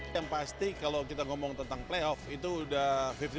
yang pasti kalau kita ngomong tentang playoff itu sudah lima puluh lima